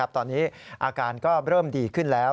ตอนนี้อาการก็เริ่มดีขึ้นแล้ว